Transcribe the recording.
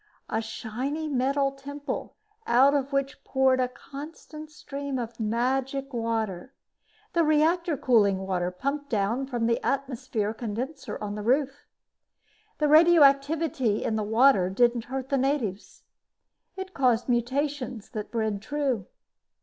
A shiny metal temple out of which poured a constant stream of magic water the reactor cooling water pumped down from the atmosphere condenser on the roof. The radioactivity in the water didn't hurt the natives. It caused mutations that bred true.